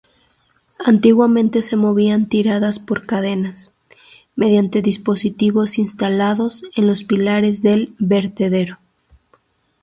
Antiguamente se movían tiradas por cadenas, mediante dispositivos instalados en los pilares del vertedero.